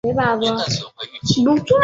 康熙三十二年病卒。